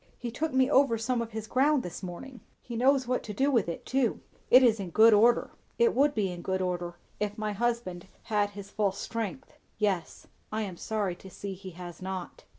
"He took me over some of his ground this morning. He knows what to do with it, too. It is in good order." "It would be in good order, if my husband had his full strength." "Yes. I am sorry to see he has not."